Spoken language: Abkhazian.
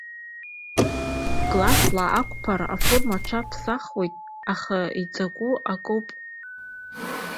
Классла ақәԥара аформа аҽаԥсахуеит, аха иаҵаку акоуп.